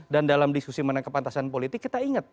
dan dalam diskusi mengenai kepantasan politik kita inget